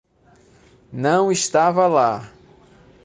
Não estava lá.